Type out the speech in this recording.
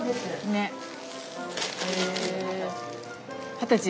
二十歳？